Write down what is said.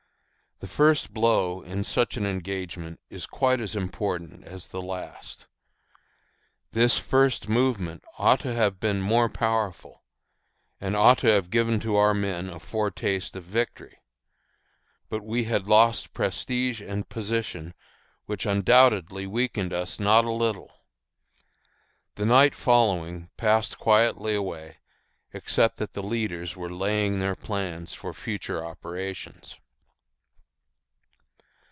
The first blow in such an engagement is quite as important as the last. This first movement ought to have been more powerful, and ought to have given to our men a foretaste of victory. But we had lost prestige and position which undoubtedly weakened us not a little. The night following passed quietly away, except that the leaders were laying their plans for future operations.